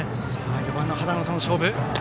４番の羽田野との勝負。